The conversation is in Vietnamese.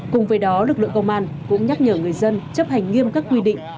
cùng với đó lực lượng công an cũng nhắc nhở người dân chấp hành nghiêm các quy định